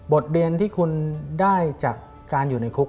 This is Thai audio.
บทเรียนที่คุณได้จากการอยู่ในคุก